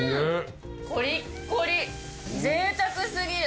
コリッコリぜいたく過ぎる。